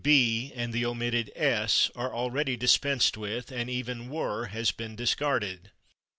/Be/ and the omitted /s/ are already dispensed with, and even /were/ has been discarded.